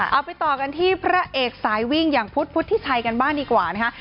เอาไปต่อกันที่พระเอกสายวิ่งอย่างพุทธพุทธิชัยกันบ้างดีกว่านะคะ